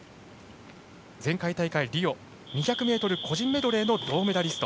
前回大会リオ２００ｍ個人メドレーの銅メダリスト。